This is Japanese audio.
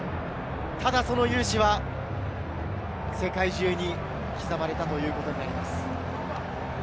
ただその勇姿は世界中に刻まれたということになります。